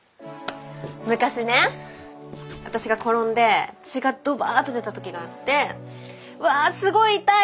昔ね私が転んで血がドバーッと出た時があって「うわすごい痛い！